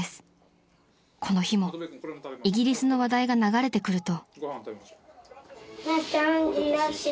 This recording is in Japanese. ［この日もイギリスの話題が流れてくると］